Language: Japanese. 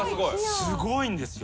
すごいんですよ。